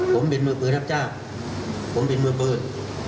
ผมเป็นมือเปิดครับจ้าผมเป็นมือเปิด